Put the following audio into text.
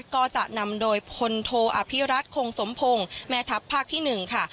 ก็จะนำโดยพลโทอภิรัตคงสมพงศ์แม่ทัพภาคที่๑ค่ะ